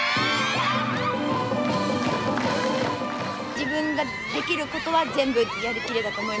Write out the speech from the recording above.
自分ができることは全部やりきれたと思います。